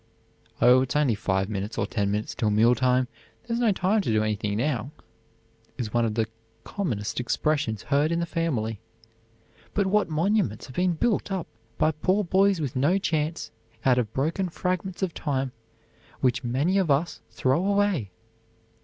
"Oh, it's only five minutes or ten minutes till mealtime; there's no time to do anything now," is one of the commonest expressions heard in the family. But what monuments have been built up by poor boys with no chance, out of broken fragments of time which many of us throw away!